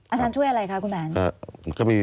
อาจารย์ช่วยอะไรคะคุณแผน